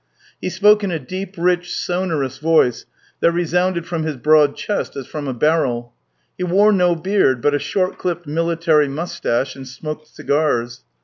He spoke in a deep, rich, sonorous voice, that resounded from his broad chest as from a barrel. He wore no beard, but a short clipped military moustache, and smoked cigars.